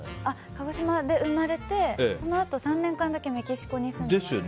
鹿児島で生まれて、そのあと３年間だけメキシコに住んでました。